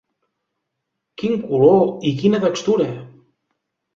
Quin color i quina textura!